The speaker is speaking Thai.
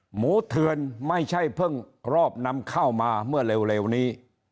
เทือนไม่ใช่เพิ่งรอบนำเข้ามาเมื่อเร็วนี้